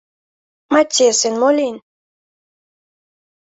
Маттиэсен мо лийын?